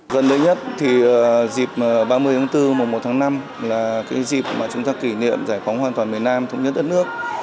thứ nhất dịp ba mươi tháng bốn một tháng năm là dịp chúng ta kỷ niệm giải phóng hoàn toàn miền nam thống nhất đất nước